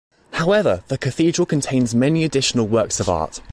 However, the cathedral contains many additional works of art.